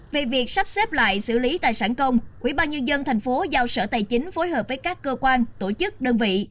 về việc sắp xếp lại xử lý tài sản công ubnd tp hcm giao sở tài chính phối hợp với các cơ quan tổ chức đơn vị